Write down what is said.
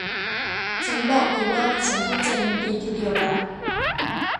ฉันบอกไปว่าฉันเข้าใจมันดีทีเดียวล่ะ